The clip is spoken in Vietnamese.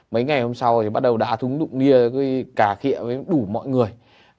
mấy ngày hôm sau thì bắt đầu đá thúng đụng nia cà khịa với đủ mọi người